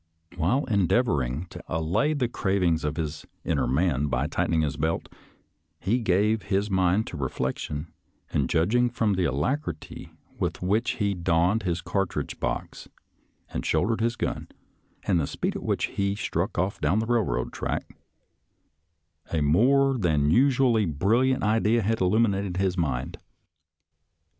While endeavor ing to allay the cravings of his inner man by tightening his belt, he gave his mind to reflec tion, and judging from the alacrity with which he donned his cartridge box and shouldered his gun, and the speed at which he struck off down the railroad track, a more than usually brilliant IN AND AROUND RICHMOND 105 idea had illumined his mind.